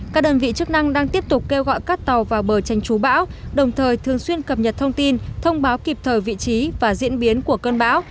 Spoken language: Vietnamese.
các đơn vị chức năng đang tiếp tục kêu gọi các tàu vào bờ tranh chú bão đồng thời thường xuyên cập nhật thông tin thông báo kịp thời vị trí và diễn biến của cơn bão